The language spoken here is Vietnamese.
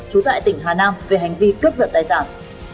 trú tại tỉnh hà nam về hành vi cướp giật tài sản